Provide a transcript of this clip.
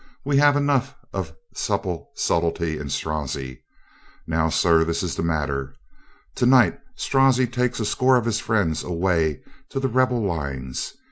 We have enough of supple subtlety in Strozzi. Now, sir, this is the matter. To night Strozzi takes a score of his friends away to the rebel lines.